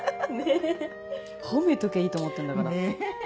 褒めときゃいいと思ってんだから。ね。